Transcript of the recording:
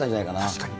確かに。